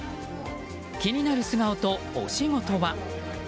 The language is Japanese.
気になる素顔とお仕事は？